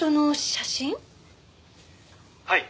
「はい。